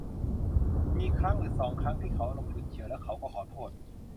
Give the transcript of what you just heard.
มีครั้งหรือสองครั้งที่เขาอารมณ์ฉุนเฉียว แล้วเขาก็ขอโทษ